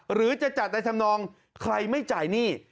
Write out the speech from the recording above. หรือจะจัดในธรรมนองใครไม่จ่ายหนี้